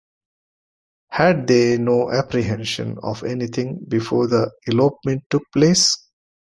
Had they no apprehension of anything before the elopement took place?